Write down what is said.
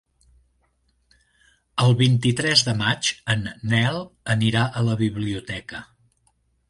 El vint-i-tres de maig en Nel anirà a la biblioteca.